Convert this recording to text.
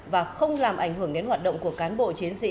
và không làm ảnh hưởng đến hoạt động của cán bộ chiến sĩ